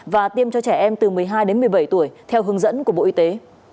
và tiêm cho trẻ em từ một mươi hai đến một mươi bảy tuổi theo hướng dẫn của bộ y tế